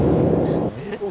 えっ？